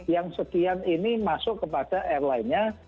yang sekian ini masuk kepada airline nya